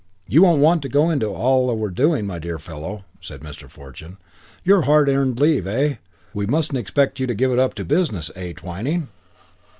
"You won't want to go into all we are doing, my dear fellow," said Mr. Fortune. "Your hard earned leave, eh? We mustn't expect you to give it up to business, eh, Twyning?"